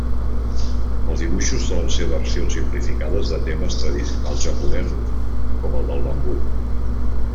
Els dibuixos solen ser versions simplificades de temes tradicionals japonesos, com el del bambú.